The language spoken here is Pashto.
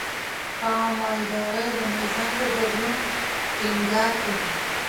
هغه د مالدارۍ د نظام په بدلون ټينګار کوي.